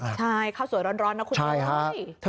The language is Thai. ใช่ข้าวสวยร้อนนะคุณดูสิ